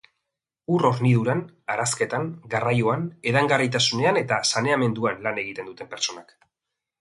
Ur-horniduran, arazketan, garraioan, edangarritasunean eta saneamenduan lan egiten duten pertsonak.